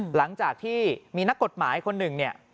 หลังจากที่มีนักกฎหมายคนหนึ่งเนี่ย